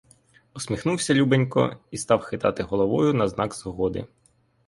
Усміхнувся любенько і став хитати головою на знак згоди.